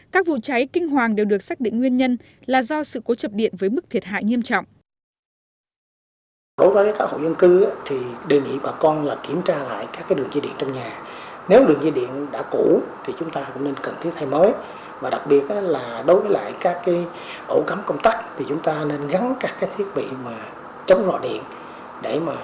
các vụ cháy kinh hoàng đều được xác định nguyên nhân là do sự cố chập điện với mức thiệt hại nghiêm trọng